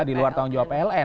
di luar tanggung jawab pln